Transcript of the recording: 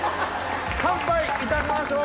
乾杯いたしましょう！